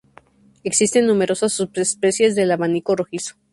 Existen numerosas subespecies del abanico rojizo.